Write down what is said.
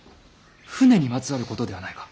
船にまつわることではないか。